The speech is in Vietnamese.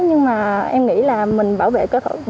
nhưng mà em nghĩ là mình bảo vệ cơ thể của mình